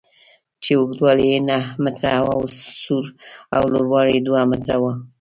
چې اوږدوالی یې نهه متره او سور او لوړوالی یې دوه متره و.